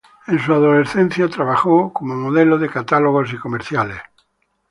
En su adolescencia trabajó como modelo de catálogos y comerciales.